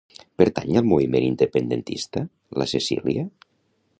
Pertany al moviment independentista la Cecilia?